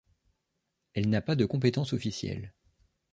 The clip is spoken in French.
Elle n'a pas de compétence officielle.